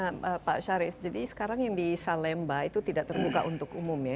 nah pak syarif jadi sekarang yang di salemba itu tidak terbuka untuk umum ya